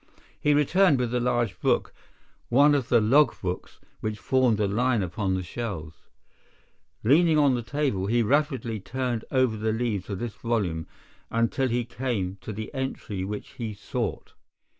He returned with a large book, one of the logbooks which formed a line upon the shelves. Leaning on the table, he rapidly turned over the leaves of this volume until he came to the entry which he sought.